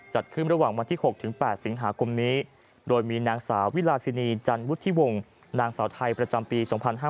จัดขึ้นระหว่างวันที่๖๘สิงหาคมนี้โดยมีนางสาววิลาซินีจันวุฒิวงศ์นางสาวไทยประจำปี๒๕๕๙